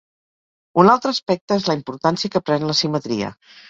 Un altre aspecte és la importància que pren la simetria.